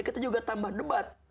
kita juga tambah debat